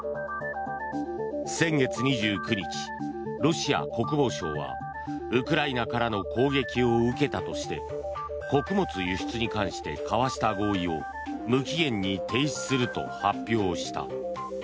先月２９日、ロシア国防省はウクライナからの攻撃を受けたとして穀物輸出に関して交わした合意を無期限に停止すると発表した。